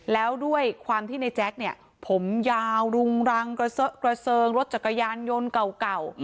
แล้วด้วยความที่ในแจ๊คเนี่ยผมยาวรุงรังกระเซิงรถจักรยานยนต์เก่า